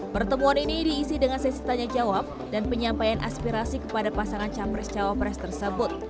pertemuan ini diisi dengan sesi tanya jawab dan penyampaian aspirasi kepada pasangan capres cawapres tersebut